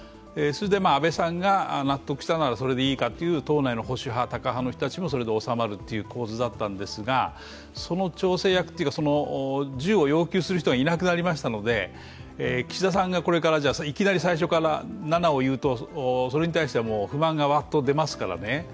安倍さんが納得したならそれでいいかという党内の保守派、タカ派の人たちも、それで収まるという構図だったんですけどその調整役というか、１０を要求する人がいなくなりましたので岸田さんがこれから、いきなり最初から７を言うとそれに対しては不満がわっと出ますからね